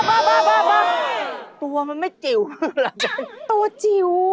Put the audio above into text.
ตัวมันไม่จิ๋วเหรอจริงตัวจิ๋ว